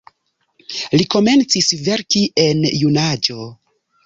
Li komencis verki en junaĝo.